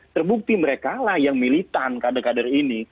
terbukti mereka lah yang militan kader kader ini